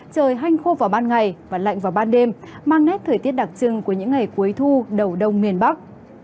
trời hanh khô vào ban ngày và lạnh vào ban đêm mang nét thời tiết đặc trưng của những ngày cuối thu đầu đông miền bắc